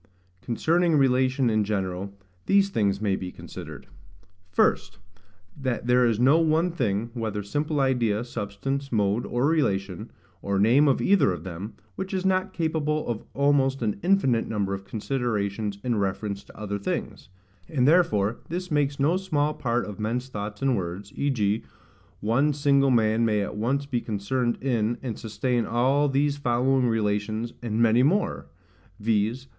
Concerning relation in general, these things may be considered: First, That there is no one thing, whether simple idea, substance, mode, or relation, or name of either of them, which is not capable of almost an infinite number of considerations in reference to other things: and therefore this makes no small part of men's thoughts and words: v.g. one single man may at once be concerned in, and sustain all these following relations, and many more, viz.